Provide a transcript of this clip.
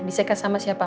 di seka sama siapa